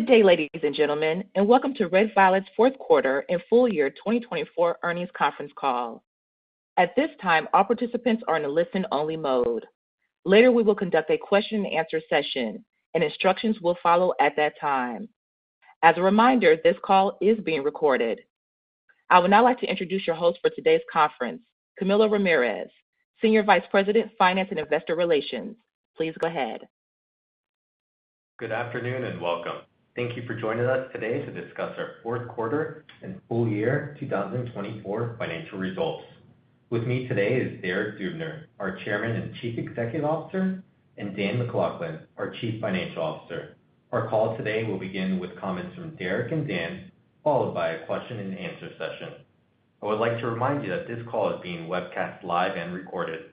Good day, ladies and gentlemen, and welcome to Red Violet's Fourth Quarter and Full Year 2024 Earnings Conference Call. At this time, all participants are in a listen-only mode. Later, we will conduct a question-and-answer session, and instructions will follow at that time. As a reminder, this call is being recorded. I would now like to introduce your host for today's conference, Camilo Ramirez, Senior Vice President, Finance and Investor Relations. Please go ahead. Good afternoon and welcome. Thank you for joining us today to discuss our fourth quarter and full year 2024 financial results. With me today is Derek Dubner, our Chairman and Chief Executive Officer, and Dan MacLachlan, our Chief Financial Officer. Our call today will begin with comments from Derek and Dan, followed by a question-and-answer session. I would like to remind you that this call is being webcast live and recorded.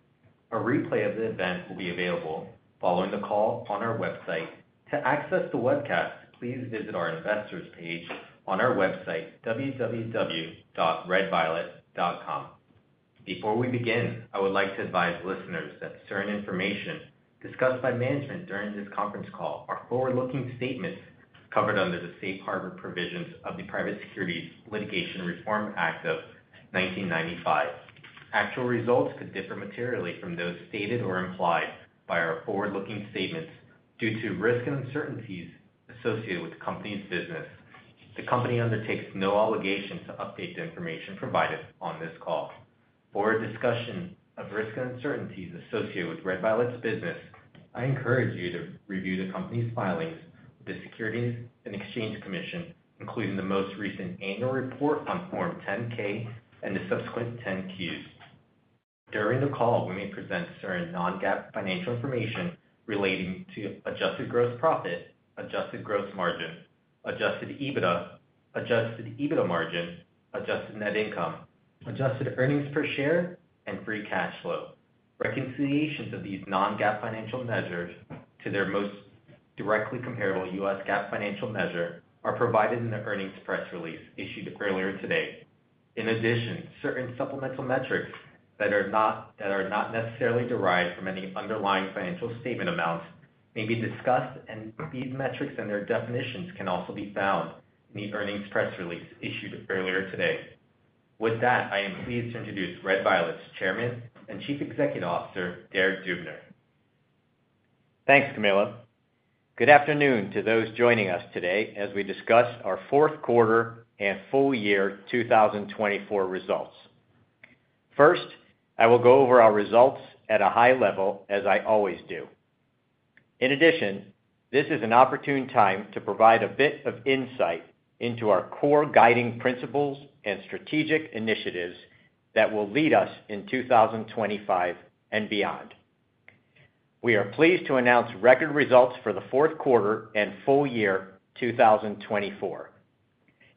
A replay of the event will be available following the call on our website. To access the webcast, please visit our investors page on our website, www.redviolet.com. Before we begin, I would like to advise listeners that the shared information discussed by management during this conference call are forward-looking statements covered under the Safe Harbor provisions of the Private Securities Litigation Reform Act of 1995. Actual results could differ materially from those stated or implied by our forward-looking statements due to risk and uncertainties associated with the company's business. The company undertakes no obligation to update the information provided on this call. For discussion of risk and uncertainties associated with Red Violet's business, I encourage you to review the company's filings with the Securities and Exchange Commission, including the most recent annual report on Form 10-K and the subsequent 10-Qs. During the call, we may present certain non-GAAP financial information relating to adjusted gross profit, adjusted gross margin, adjusted EBITDA, adjusted EBITDA margin, adjusted net income, adjusted earnings per share, and free cash flow. Reconciliations of these non-GAAP financial measures to their most directly comparable U.S. GAAP financial measure are provided in the earnings press release issued earlier today. In addition, certain supplemental metrics that are not necessarily derived from any underlying financial statement amounts may be discussed, and these metrics and their definitions can also be found in the earnings press release issued earlier today. With that, I am pleased to introduce Red Violet's Chairman and Chief Executive Officer, Derek Dubner. Thanks, Camilo. Good afternoon to those joining us today as we discuss our fourth quarter and full year 2024 results. First, I will go over our results at a high level, as I always do. In addition, this is an opportune time to provide a bit of insight into our core guiding principles and strategic initiatives that will lead us in 2025 and beyond. We are pleased to announce record results for the fourth quarter and full year 2024.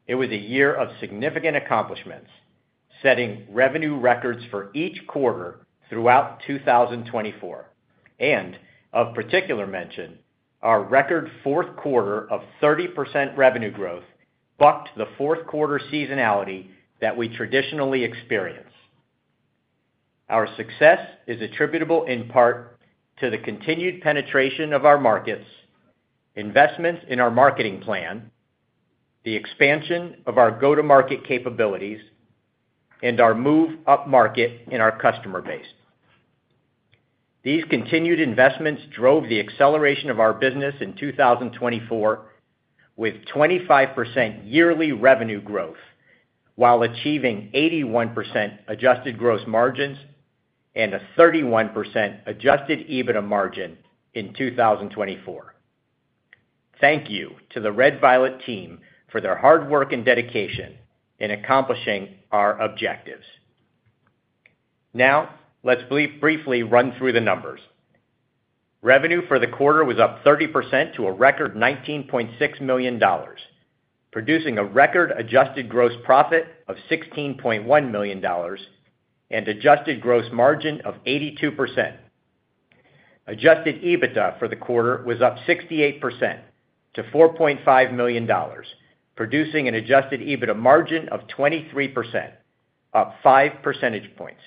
It was a year of significant accomplishments, setting revenue records for each quarter throughout 2024. And of particular mention, our record fourth quarter of 30% revenue growth bucked the fourth quarter seasonality that we traditionally experience. Our success is attributable in part to the continued penetration of our markets, investments in our marketing plan, the expansion of our go-to-market capabilities, and our move-up market in our customer base. These continued investments drove the acceleration of our business in 2024, with 25% yearly revenue growth while achieving 81% adjusted gross margins and a 31% adjusted EBITDA margin in 2024. Thank you to the Red Violet team for their hard work and dedication in accomplishing our objectives. Now, let's briefly run through the numbers. Revenue for the quarter was up 30% to a record $19.6 million, producing a record adjusted gross profit of $16.1 million and adjusted gross margin of 82%. Adjusted EBITDA for the quarter was up 68% to $4.5 million, producing an adjusted EBITDA margin of 23%, up 5 percentage points.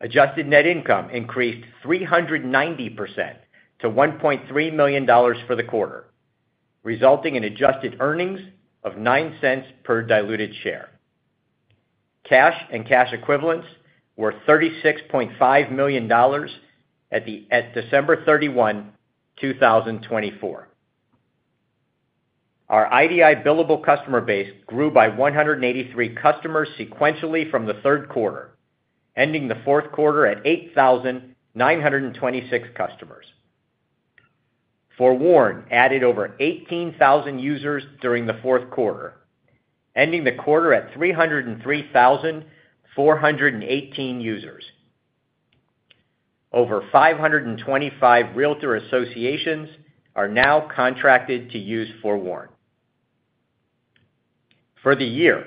Adjusted net income increased 390% to $1.3 million for the quarter, resulting in adjusted earnings of $0.09 per diluted share. Cash and cash equivalents were $36.5 million at December 31, 2024. Our IDI billable customer base grew by 183 customers sequentially from the third quarter, ending the fourth quarter at 8,926 customers. FOREWARN added over 18,000 users during the fourth quarter, ending the quarter at 303,418 users. Over 525 Realtor Associations are now contracted to use FOREWARN. For the year,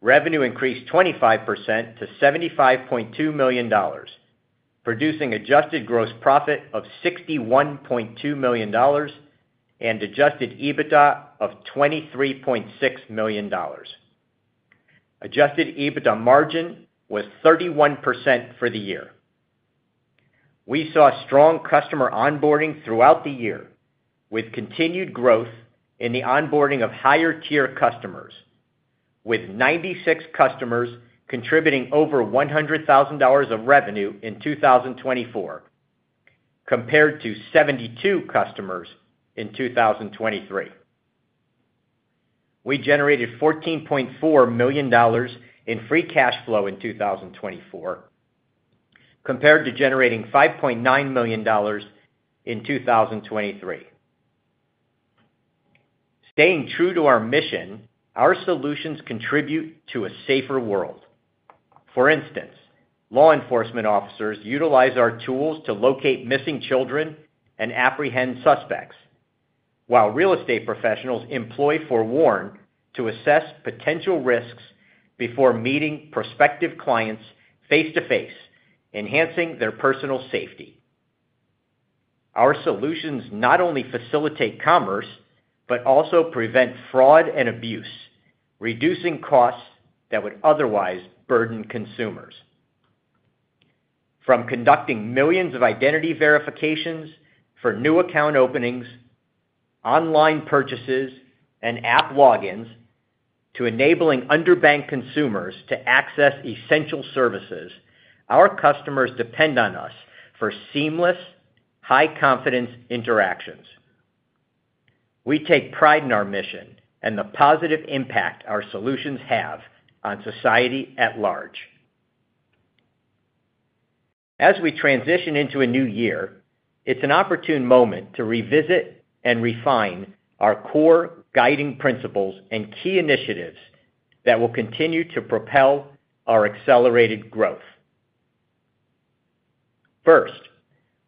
revenue increased 25% to $75.2 million, producing adjusted gross profit of $61.2 million and adjusted EBITDA of $23.6 million. Adjusted EBITDA margin was 31% for the year. We saw strong customer onboarding throughout the year, with continued growth in the onboarding of higher-tier customers, with 96 customers contributing over $100,000 of revenue in 2024, compared to 72 customers in 2023. We generated $14.4 million in free cash flow in 2024, compared to generating $5.9 million in 2023. Staying true to our mission, our solutions contribute to a safer world. For instance, law enforcement officers utilize our tools to locate missing children and apprehend suspects, while real estate professionals employ FOREWARN to assess potential risks before meeting prospective clients face-to-face, enhancing their personal safety. Our solutions not only facilitate commerce but also prevent fraud and abuse, reducing costs that would otherwise burden consumers. From conducting millions of identity verifications for new account openings, online purchases, and app logins, to enabling underbanked consumers to access essential services, our customers depend on us for seamless, high-confidence interactions. We take pride in our mission and the positive impact our solutions have on society at large. As we transition into a new year, it's an opportune moment to revisit and refine our core guiding principles and key initiatives that will continue to propel our accelerated growth. First,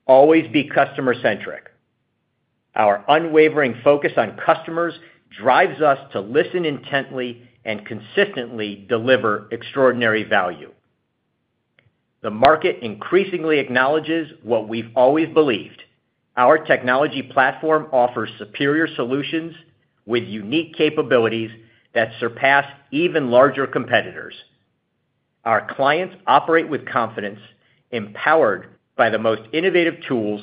always be customer-centric. Our unwavering focus on customers drives us to listen intently and consistently deliver extraordinary value. The market increasingly acknowledges what we've always believed. Our technology platform offers superior solutions with unique capabilities that surpass even larger competitors. Our clients operate with confidence, empowered by the most innovative tools,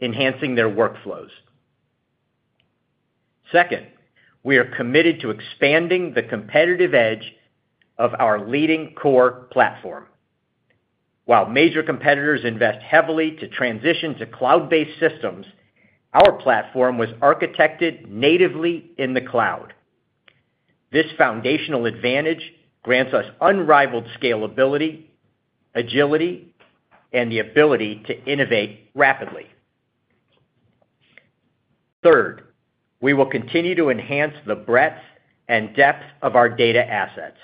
enhancing their workflows. Second, we are committed to expanding the competitive edge of our leading core platform. While major competitors invest heavily to transition to cloud-based systems, our platform was architected natively in the cloud. This foundational advantage grants us unrivaled scalability, agility, and the ability to innovate rapidly. Third, we will continue to enhance the breadth and depth of our data assets.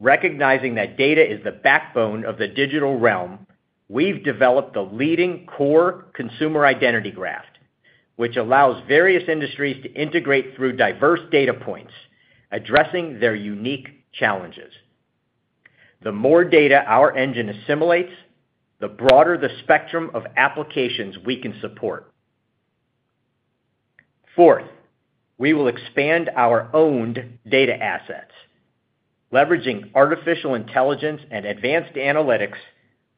Recognizing that data is the backbone of the digital realm, we've developed the leading core consumer identity graph, which allows various industries to integrate through diverse data points, addressing their unique challenges. The more data our engine assimilates, the broader the spectrum of applications we can support. Fourth, we will expand our owned data assets. Leveraging artificial intelligence and advanced analytics,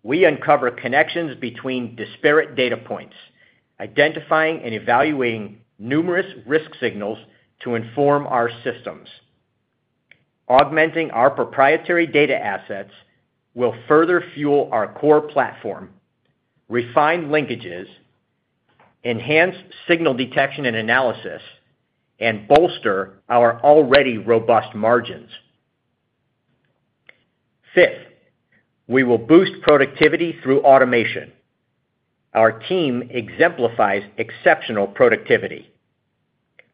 we uncover connections between disparate data points, identifying and evaluating numerous risk signals to inform our systems. Augmenting our proprietary data assets will further fuel our core platform, refine linkages, enhance signal detection and analysis, and bolster our already robust margins. Fifth, we will boost productivity through automation. Our team exemplifies exceptional productivity.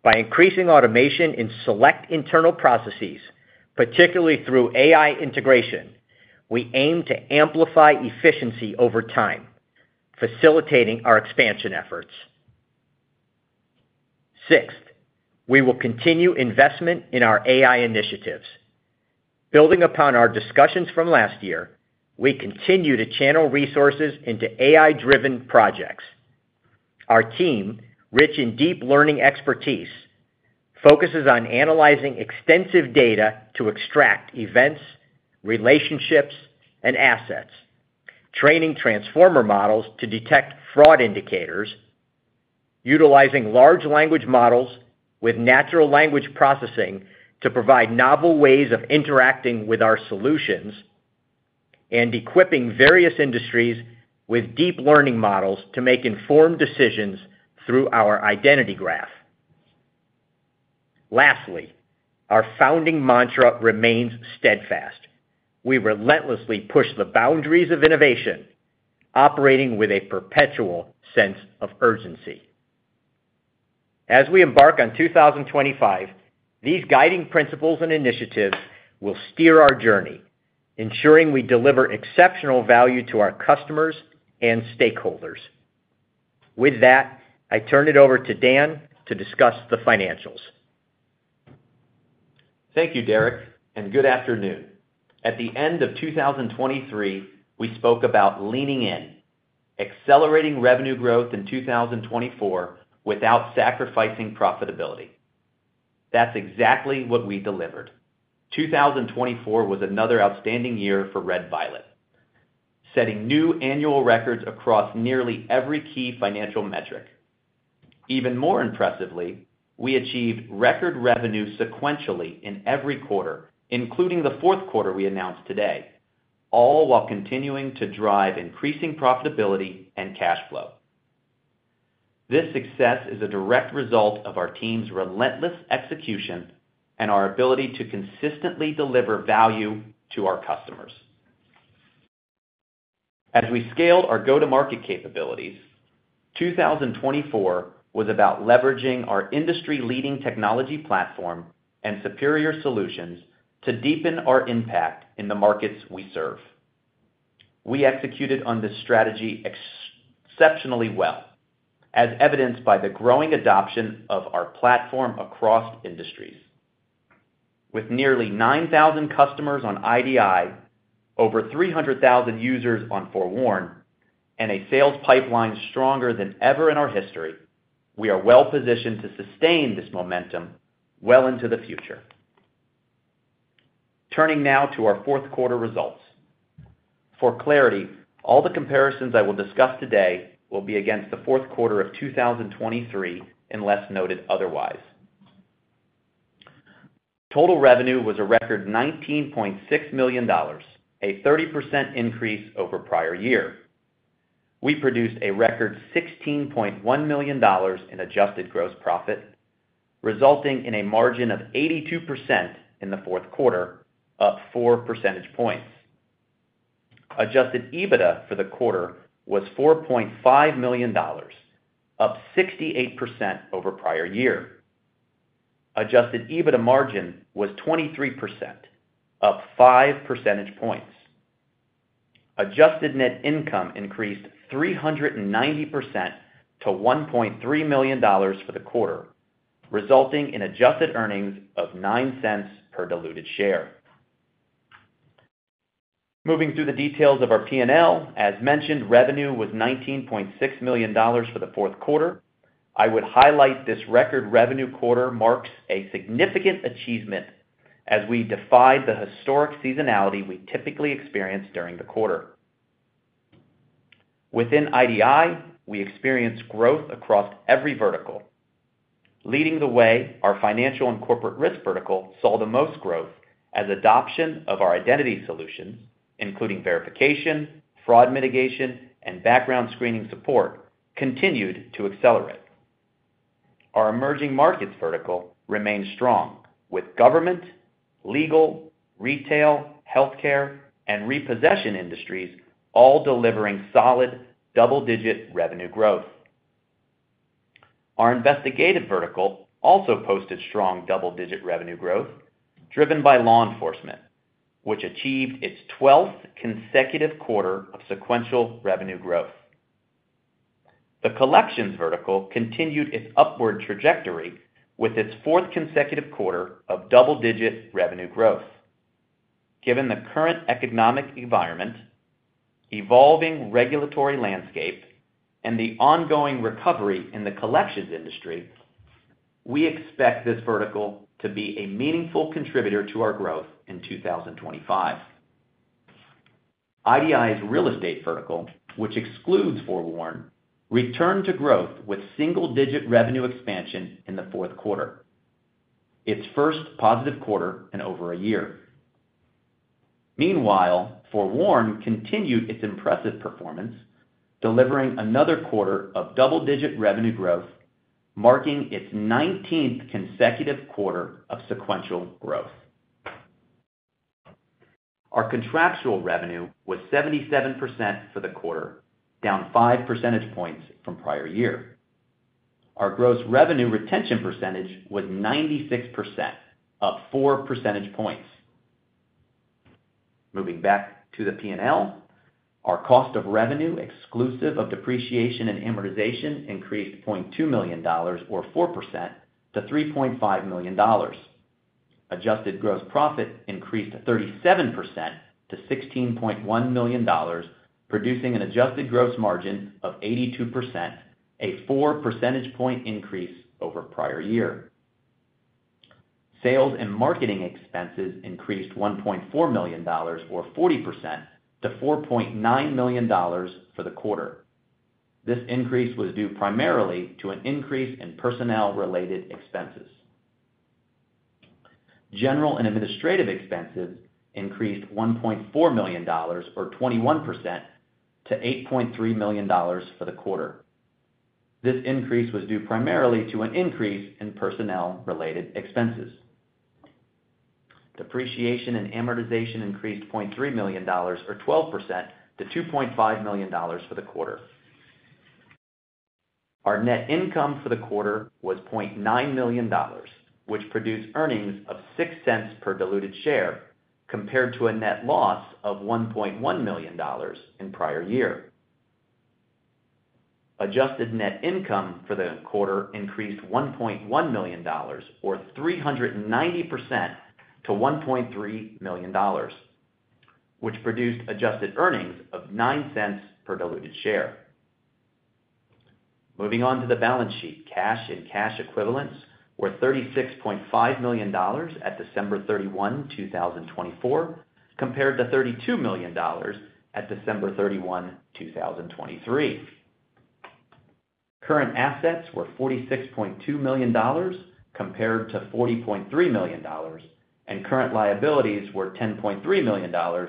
By increasing automation in select internal processes, particularly through AI integration, we aim to amplify efficiency over time, facilitating our expansion efforts. Sixth, we will continue investment in our AI initiatives. Building upon our discussions from last year, we continue to channel resources into AI-driven projects. Our team, rich in deep learning expertise, focuses on analyzing extensive data to extract events, relationships, and assets, training transformer models to detect fraud indicators, utilizing large language models with natural language processing to provide novel ways of interacting with our solutions, and equipping various industries with deep learning models to make informed decisions through our identity graph. Lastly, our founding mantra remains steadfast. We relentlessly push the boundaries of innovation, operating with a perpetual sense of urgency. As we embark on 2025, these guiding principles and initiatives will steer our journey, ensuring we deliver exceptional value to our customers and stakeholders. With that, I turn it over to Dan to discuss the financials. Thank you, Derek, and good afternoon. At the end of 2023, we spoke about leaning in, accelerating revenue growth in 2024 without sacrificing profitability. That's exactly what we delivered. 2024 was another outstanding year for Red Violet, setting new annual records across nearly every key financial metric. Even more impressively, we achieved record revenue sequentially in every quarter, including the fourth quarter we announced today, all while continuing to drive increasing profitability and cash flow. This success is a direct result of our team's relentless execution and our ability to consistently deliver value to our customers. As we scaled our go-to-market capabilities, 2024 was about leveraging our industry-leading technology platform and superior solutions to deepen our impact in the markets we serve. We executed on this strategy exceptionally well, as evidenced by the growing adoption of our platform across industries. With nearly 9,000 customers on IDI, over 300,000 users on FOREWARN, and a sales pipeline stronger than ever in our history, we are well-positioned to sustain this momentum well into the future. Turning now to our fourth quarter results. For clarity, all the comparisons I will discuss today will be against the fourth quarter of 2023, unless noted otherwise. Total revenue was a record $19.6 million, a 30% increase over prior year. We produced a record $16.1 million in adjusted gross profit, resulting in a margin of 82% in the fourth quarter, up 4 percentage points. Adjusted EBITDA for the quarter was $4.5 million, up 68% over prior year. Adjusted EBITDA margin was 23%, up 5 percentage points. Adjusted net income increased 390% to $1.3 million for the quarter, resulting in adjusted earnings of $0.09 per diluted share. Moving through the details of our P&L, as mentioned, revenue was $19.6 million for the fourth quarter. I would highlight this record revenue quarter marks a significant achievement as we defied the historic seasonality we typically experience during the quarter. Within IDI, we experienced growth across every vertical. Leading the way, our financial and corporate risk vertical saw the most growth as adoption of our identity solutions, including verification, fraud mitigation, and background screening support, continued to accelerate. Our emerging markets vertical remained strong, with government, legal, retail, healthcare, and repossession industries all delivering solid double-digit revenue growth. Our investigative vertical also posted strong double-digit revenue growth driven by law enforcement, which achieved its 12th consecutive quarter of sequential revenue growth. The collections vertical continued its upward trajectory with its fourth consecutive quarter of double-digit revenue growth. Given the current economic environment, evolving regulatory landscape, and the ongoing recovery in the collections industry, we expect this vertical to be a meaningful contributor to our growth in 2025. IDI's real estate vertical, which excludes FOREWARN, returned to growth with single-digit revenue expansion in the fourth quarter, its first positive quarter in over a year. Meanwhile, FOREWARN continued its impressive performance, delivering another quarter of double-digit revenue growth, marking its 19th consecutive quarter of sequential growth. Our contractual revenue was 77% for the quarter, down 5 percentage points from prior year. Our gross revenue retention percentage was 96%, up 4 percentage points. Moving back to the P&L, our cost of revenue exclusive of depreciation and amortization increased $0.2 million, or 4%, to $3.5 million. Adjusted gross profit increased 37% to $16.1 million, producing an adjusted gross margin of 82%, a 4 percentage point increase over prior year. Sales and marketing expenses increased $1.4 million, or 40%, to $4.9 million for the quarter. This increase was due primarily to an increase in personnel-related expenses. General and administrative expenses increased $1.4 million, or 21%, to $8.3 million for the quarter. This increase was due primarily to an increase in personnel-related expenses. Depreciation and amortization increased $0.3 million, or 12%, to $2.5 million for the quarter. Our net income for the quarter was $0.9 million, which produced earnings of $0.06 per diluted share, compared to a net loss of $1.1 million in prior year. Adjusted net income for the quarter increased $1.1 million, or 390%, to $1.3 million, which produced adjusted earnings of $0.09 per diluted share. Moving on to the balance sheet, cash and cash equivalents were $36.5 million at December 31, 2024, compared to $32 million at December 31, 2023. Current assets were $46.2 million, compared to $40.3 million, and current liabilities were $10.3 million,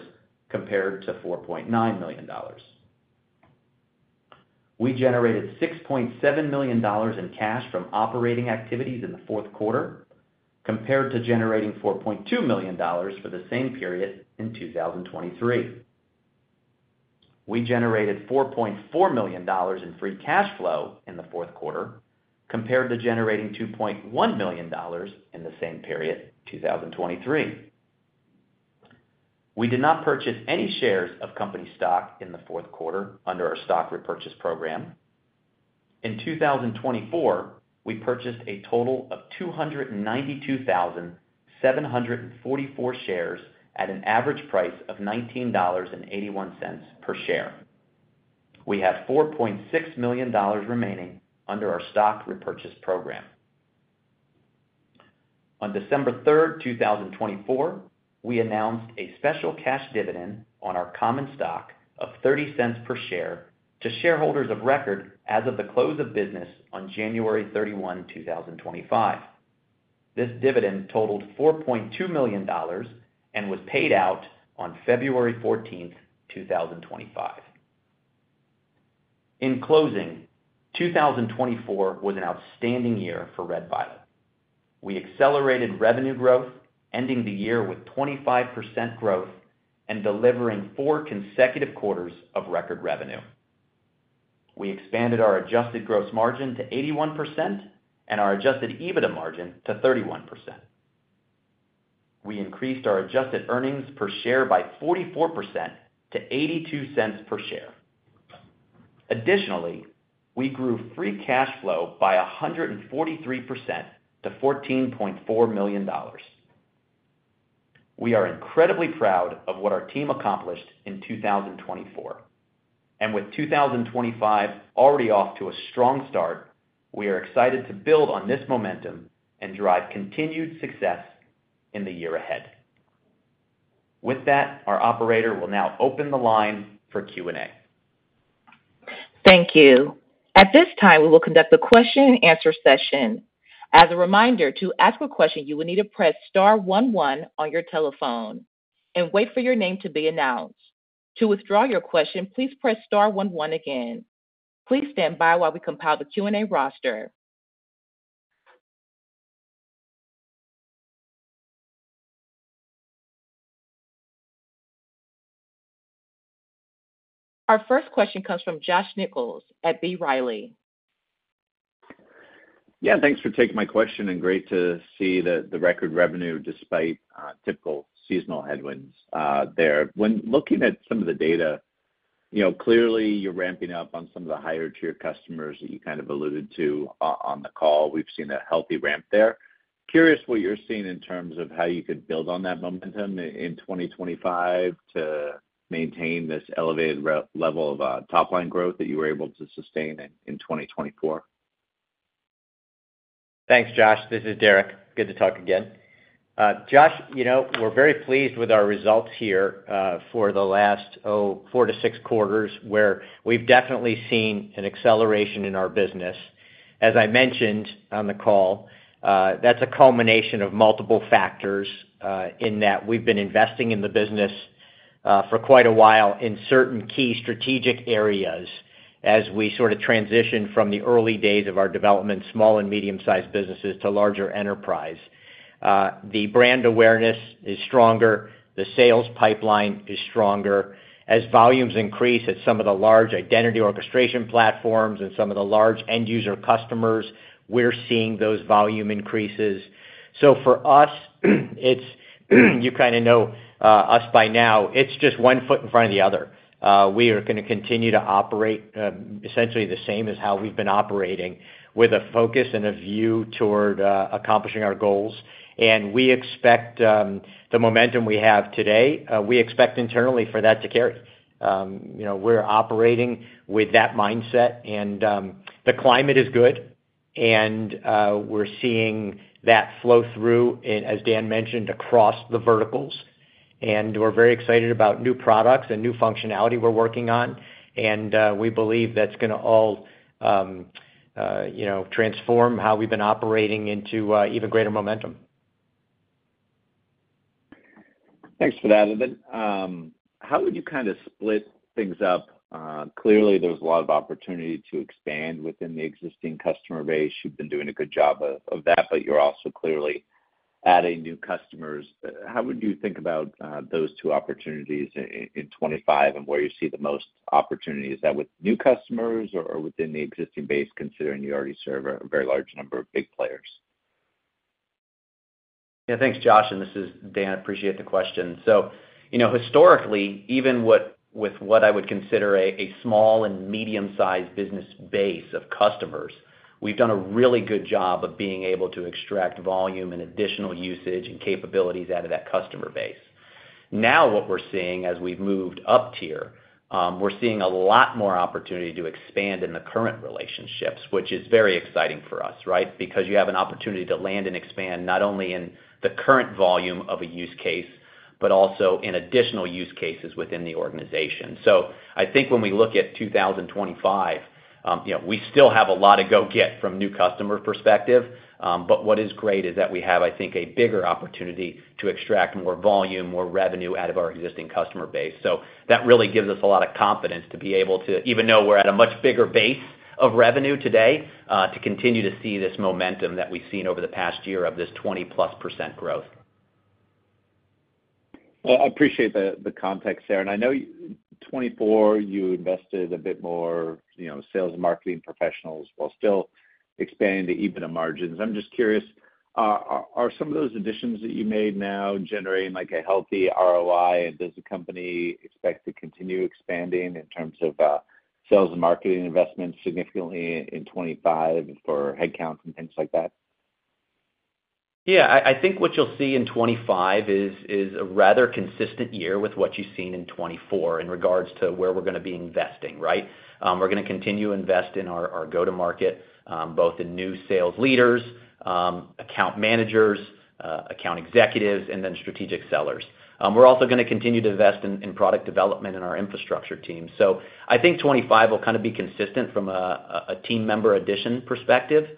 compared to $4.9 million. We generated $6.7 million in cash from operating activities in the fourth quarter, compared to generating $4.2 million for the same period in 2023. We generated $4.4 million in free cash flow in the fourth quarter, compared to generating $2.1 million in the same period, 2023. We did not purchase any shares of company stock in the fourth quarter under our stock repurchase program. In 2024, we purchased a total of 292,744 shares at an average price of $19.81 per share. We have $4.6 million remaining under our stock repurchase program. On December 3rd, 2024, we announced a special cash dividend on our common stock of $0.30 per share to shareholders of record as of the close of business on January 31, 2025. This dividend totaled $4.2 million and was paid out on February 14th, 2025. In closing, 2024 was an outstanding year for Red Violet. We accelerated revenue growth, ending the year with 25% growth and delivering four consecutive quarters of record revenue. We expanded our adjusted gross margin to 81% and our adjusted EBITDA margin to 31%. We increased our adjusted earnings per share by 44% to $0.82 per share. Additionally, we grew free cash flow by 143% to $14.4 million. We are incredibly proud of what our team accomplished in 2024. With 2025 already off to a strong start, we are excited to build on this momentum and drive continued success in the year ahead. With that, our operator will now open the line for Q&A. Thank you. At this time, we will conduct the question-and-answer session. As a reminder, to ask a question, you will need to press star one one on your telephone and wait for your name to be announced. To withdraw your question, please press star one one again. Please stand by while we compile the Q&A roster. Our first question comes from Josh Nichols at B. Riley. Yeah, thanks for taking my question. And great to see that the record revenue, despite typical seasonal headwinds there. When looking at some of the data, you know, clearly you're ramping up on some of the higher-tier customers that you kind of alluded to on the call. We've seen a healthy ramp there. Curious what you're seeing in terms of how you could build on that momentum in 2025 to maintain this elevated level of top-line growth that you were able to sustain in 2024. Thanks, Josh. This is Derek. Good to talk again. Josh, you know, we're very pleased with our results here for the last, oh, 4-6 quarters, where we've definitely seen an acceleration in our business. As I mentioned on the call, that's a culmination of multiple factors in that we've been investing in the business for quite a while in certain key strategic areas as we sort of transition from the early days of our development, small and medium-sized businesses, to larger enterprise. The brand awareness is stronger. The sales pipeline is stronger. As volumes increase at some of the large identity orchestration platforms and some of the large end-user customers, we're seeing those volume increases. So for us, it's, you kind of know us by now, it's just one foot in front of the other. We are going to continue to operate essentially the same as how we've been operating, with a focus and a view toward accomplishing our goals. And we expect the momentum we have today, we expect internally for that to carry. You know, we're operating with that mindset. And the climate is good. And we're seeing that flow through, as Dan mentioned, across the verticals. And we're very excited about new products and new functionality we're working on. And we believe that's going to all, you know, transform how we've been operating into even greater momentum. Thanks for that. How would you kind of split things up? Clearly, there's a lot of opportunity to expand within the existing customer base. You've been doing a good job of that, but you're also clearly adding new customers. How would you think about those two opportunities in 2025 and where you see the most opportunity? Is that with new customers or within the existing base, considering you already serve a very large number of big players? Yeah, thanks, Josh. And this is Dan. Appreciate the question. So, you know, historically, even with what I would consider a small and medium-sized business base of customers, we've done a really good job of being able to extract volume and additional usage and capabilities out of that customer base. Now, what we're seeing as we've moved up tier, we're seeing a lot more opportunity to expand in the current relationships, which is very exciting for us, right? Because you have an opportunity to land and expand not only in the current volume of a use case, but also in additional use cases within the organization. So I think when we look at 2025, you know, we still have a lot to go get from a new customer perspective. But what is great is that we have, I think, a bigger opportunity to extract more volume, more revenue out of our existing customer base. So that really gives us a lot of confidence to be able to, even though we're at a much bigger base of revenue today, to continue to see this momentum that we've seen over the past year of this 20+ % growth. I appreciate the context there. I know 2024, you invested a bit more, you know, sales and marketing professionals while still expanding the EBITDA margins. I'm just curious, are some of those additions that you made now generating like a healthy ROI? Does the company expect to continue expanding in terms of sales and marketing investments significantly in 2025 for headcount and things like that? Yeah, I think what you'll see in 2025 is a rather consistent year with what you've seen in 2024 in regards to where we're going to be investing, right? We're going to continue to invest in our go-to-market, both in new sales leaders, account managers, account executives, and then strategic sellers. We're also going to continue to invest in product development and our infrastructure team, so I think 2025 will kind of be consistent from a team member addition perspective,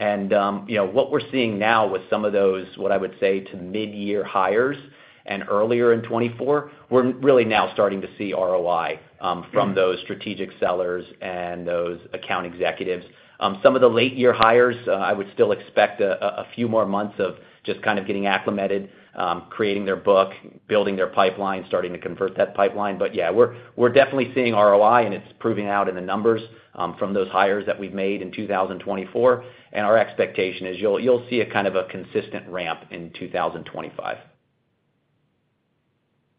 and you know, what we're seeing now with some of those, what I would say, those mid-year hires and earlier in 2024, we're really now starting to see ROI from those strategic sellers and those account executives. Some of the late-year hires, I would still expect a few more months of just kind of getting acclimated, creating their book, building their pipeline, starting to convert that pipeline. But yeah, we're definitely seeing ROI, and it's proving out in the numbers from those hires that we've made in 2024. And our expectation is you'll see a kind of a consistent ramp in 2025.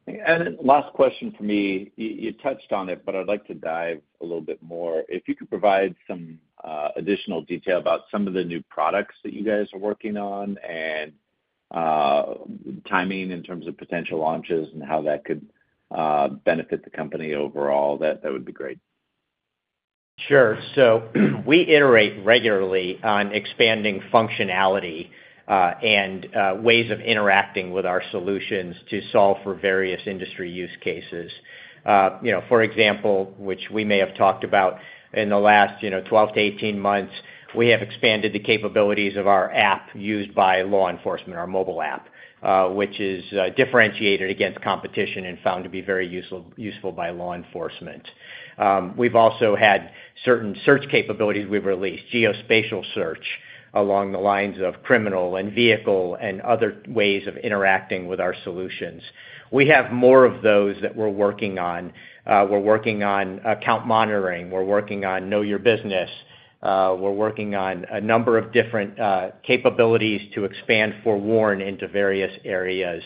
And then last question for me, you touched on it, but I'd like to dive a little bit more. If you could provide some additional detail about some of the new products that you guys are working on and timing in terms of potential launches and how that could benefit the company overall, that would be great. Sure. So we iterate regularly on expanding functionality and ways of interacting with our solutions to solve for various industry use cases. You know, for example, which we may have talked about in the last, you know, 12-18 months, we have expanded the capabilities of our app used by law enforcement, our mobile app, which is differentiated against competition and found to be very useful by law enforcement. We've also had certain search capabilities we've released, geospatial search along the lines of criminal and vehicle and other ways of interacting with our solutions. We have more of those that we're working on. We're working on account monitoring. We're working on know your business. We're working on a number of different capabilities to expand for FOREWARN into various areas.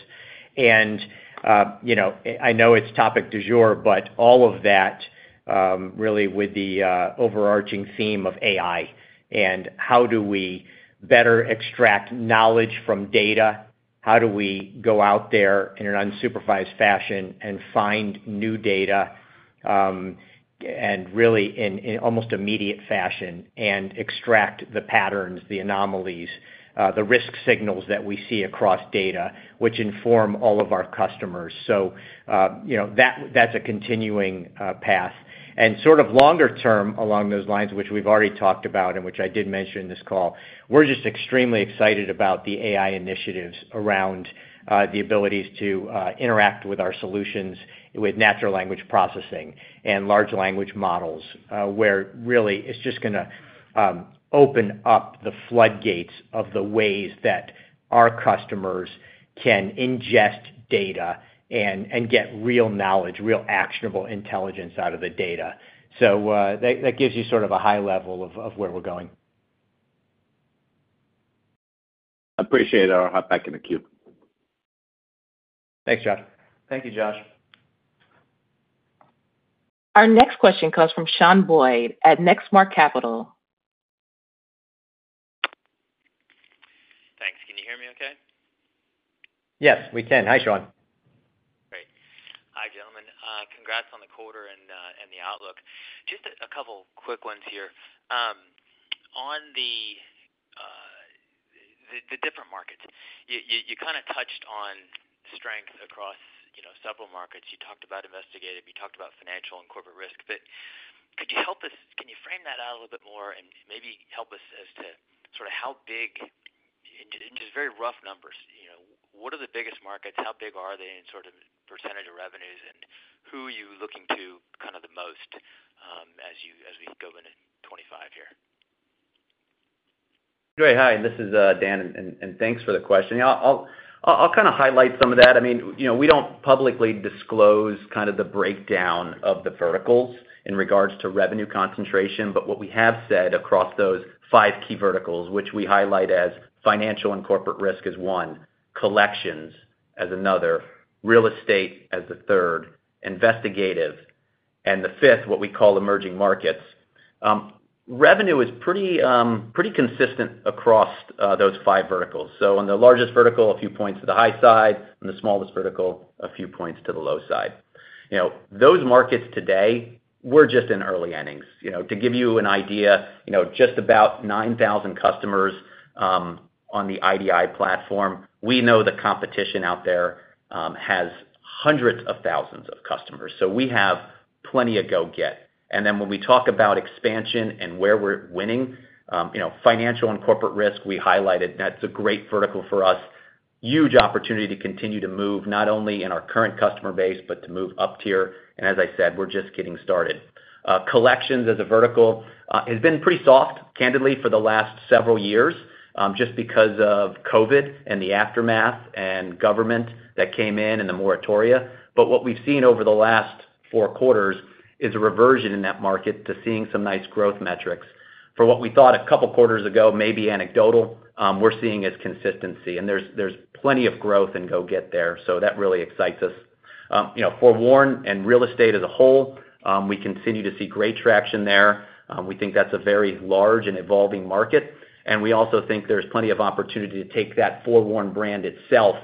You know, I know it's topic du jour, but all of that really with the overarching theme of AI and how do we better extract knowledge from data, how do we go out there in an unsupervised fashion and find new data and really in almost immediate fashion and extract the patterns, the anomalies, the risk signals that we see across data, which inform all of our customers. So, you know, that's a continuing path. And sort of longer term along those lines, which we've already talked about and which I did mention in this call, we're just extremely excited about the AI initiatives around the abilities to interact with our solutions with natural language processing and large language models, where really it's just going to open up the floodgates of the ways that our customers can ingest data and get real knowledge, real actionable intelligence out of the data. So that gives you sort of a high level of where we're going. Appreciate it. I'll hop back in the queue. Thanks, Josh. Thank you, Josh. Our next question comes from Shawn Boyd at Next Mark Capital. Thanks. Can you hear me okay? Yes, we can. Hi, Shawn. Great. Hi, gentlemen. Congrats on the quarter and the outlook. Just a couple quick ones here. On the different markets, you kind of touched on strength across several markets. You talked about investigative. You talked about financial and corporate risk. But could you help us, can you frame that out a little bit more and maybe help us as to sort of how big, in just very rough numbers, you know, what are the biggest markets, how big are they in sort of percentage of revenues, and who are you looking to kind of the most as we go into 2025 here? Great. Hi, and this is Dan, and thanks for the question. I'll kind of highlight some of that. I mean, you know, we don't publicly disclose kind of the breakdown of the verticals in regards to revenue concentration, but what we have said across those five key verticals, which we highlight as financial and corporate risk as one, collections as another, real estate as the third, investigative, and the fifth, what we call emerging markets. Revenue is pretty consistent across those five verticals. So on the largest vertical, a few points to the high side. On the smallest vertical, a few points to the low side. You know, those markets today, we're just in early innings. You know, to give you an idea, you know, just about 9,000 customers on the IDI platform. We know the competition out there has hundreds of thousands of customers. So we have plenty of go get. And then when we talk about expansion and where we're winning, you know, financial and corporate risk, we highlighted that's a great vertical for us, huge opportunity to continue to move not only in our current customer base, but to move up tier. And as I said, we're just getting started. Collections as a vertical has been pretty soft, candidly, for the last several years just because of COVID and the aftermath and government that came in and the moratoria. But what we've seen over the last four quarters is a reversion in that market to seeing some nice growth metrics. For what we thought a couple quarters ago, maybe anecdotal, we're seeing is consistency. And there's plenty of growth and go-get there. So that really excites us. You know, for FOREWARN and real estate as a whole, we continue to see great traction there. We think that's a very large and evolving market. And we also think there's plenty of opportunity to take that FOREWARN brand itself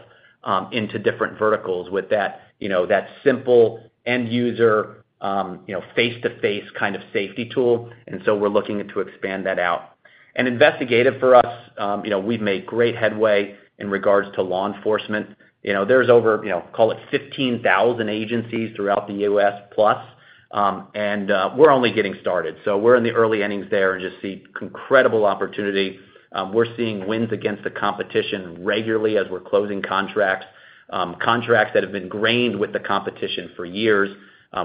into different verticals with that, you know, that simple end-user, you know, face-to-face kind of safety tool. And so we're looking to expand that out. And investigative for us, you know, we've made great headway in regards to law enforcement. You know, there's over, you know, call it 15,000 agencies throughout the U.S. plus. And we're only getting started. So we're in the early innings there and just see incredible opportunity. We're seeing wins against the competition regularly as we're closing contracts, contracts that have been ingrained with the competition for years.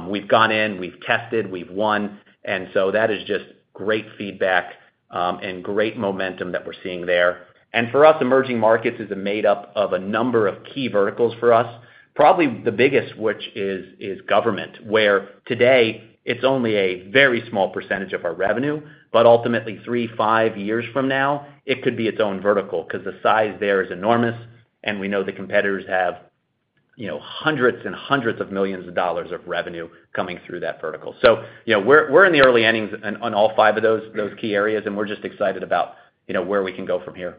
We've gone in, we've tested, we've won. And so that is just great feedback and great momentum that we're seeing there. And for us, emerging markets is made up of a number of key verticals for us. Probably the biggest, which is government, where today it's only a very small percentage of our revenue, but ultimately three, five years from now, it could be its own vertical because the size there is enormous. And we know the competitors have, you know, hundreds and hundreds of millions of dollars of revenue coming through that vertical. So, you know, we're in the early innings on all five of those key areas, and we're just excited about, you know, where we can go from here.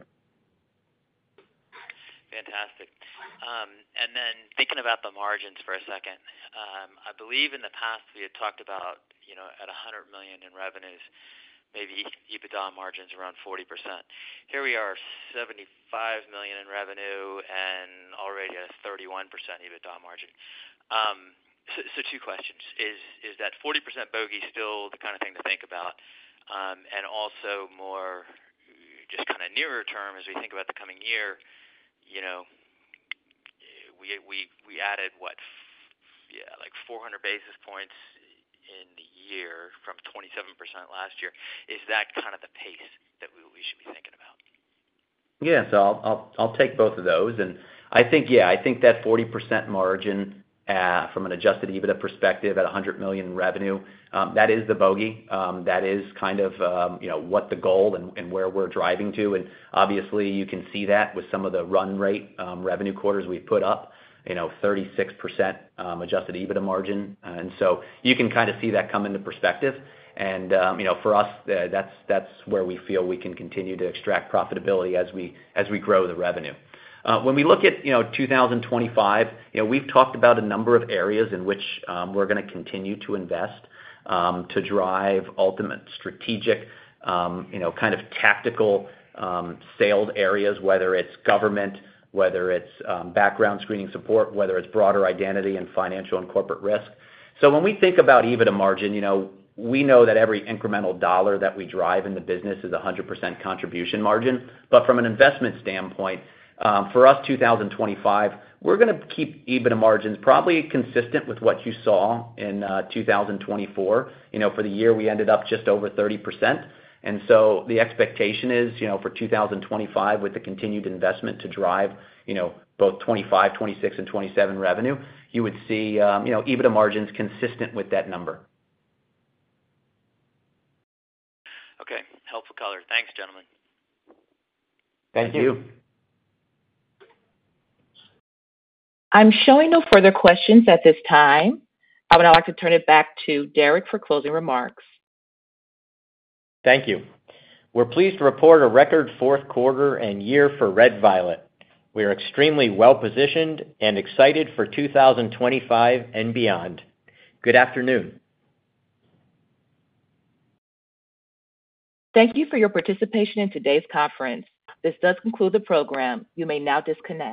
Fantastic. And then thinking about the margins for a second, I believe in the past we had talked about, you know, at $100 million in revenues, maybe EBITDA margins around 40%. Here we are $75 million in revenue and already a 31% EBITDA margin. So two questions. Is that 40% bogey still the kind of thing to think about? And also more just kind of nearer term as we think about the coming year, you know, we added what, yeah, like 400 basis points in the year from 27% last year. Is that kind of the pace that we should be thinking about? Yeah, so I'll take both of those. And I think, yeah, I think that 40% margin from an adjusted EBITDA perspective at $100 million in revenue, that is the bogey. That is kind of, you know, what the goal and where we're driving to. And obviously, you can see that with some of the run rate revenue quarters we've put up, you know, 36% adjusted EBITDA margin. And so you can kind of see that come into perspective. And, you know, for us, that's where we feel we can continue to extract profitability as we grow the revenue. When we look at, you know, 2025, you know, we've talked about a number of areas in which we're going to continue to invest to drive ultimate strategic, you know, kind of tactical sales areas, whether it's government, whether it's background screening support, whether it's broader identity and financial and corporate risk. So when we think about EBITDA margin, you know, we know that every incremental dollar that we drive in the business is a 100% contribution margin. But from an investment standpoint, for us, 2025, we're going to keep EBITDA margins probably consistent with what you saw in 2024. You know, for the year, we ended up just over 30%. And so the expectation is, you know, for 2025, with the continued investment to drive, you know, both 2025, 2026, and 2027 revenue, you would see, you know, EBITDA margins consistent with that number. Okay. Helpful color. Thanks, gentlemen. Thank you. I'm showing no further questions at this time. I would now like to turn it back to Derek for closing remarks. Thank you. We're pleased to report a record fourth quarter and year for Red Violet. We are extremely well-positioned and excited for 2025 and beyond. Good afternoon. Thank you for your participation in today's conference. This does conclude the program. You may now disconnect.